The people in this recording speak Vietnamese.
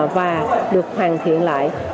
và được hoàn thiện lại